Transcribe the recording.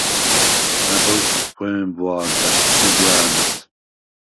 ნა̈ბოზდ ხვე̄მბვა̄ლდა̈ს, ხვიგვა̄̈ნა̈ს.